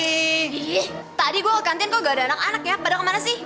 ih tadi gue ke kantin kok gak ada anak anaknya pada kemana sih